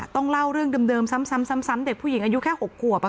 ต้องเล่าเรื่องเดิมซ้ำเด็กผู้หญิงอายุแค่๖ขวบ